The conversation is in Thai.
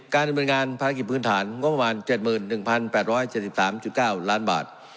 การดำเนินงานภารกิจพื้นฐานงบประมาณ๗๑๘๗๓๙ล้านบาท